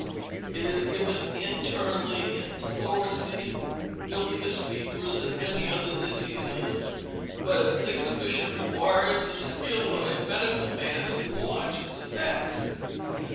It is given internally in pleurisy, bilious fevers, and many other diseases, but its exhibition requires the skill of a medical man, to watch its effects.